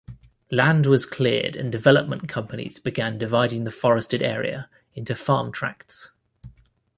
Land was cleared and development companies began dividing the forested area into farm tracts.